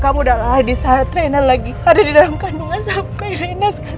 kamu udah lalai disaat reina lagi ada di dalam kandungan sampe reina sekali